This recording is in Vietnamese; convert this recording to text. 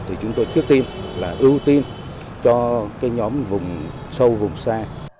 thì chúng tôi trước tiên là ưu tiên cho nhóm sâu vùng xa